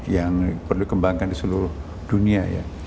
yang perlu dikembangkan di seluruh dunia ya